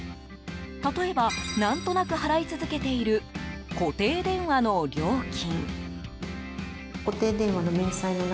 例えば、何となく払い続けている固定電話の料金。